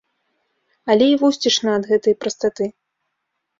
Але і вусцішна ад гэтай прастаты.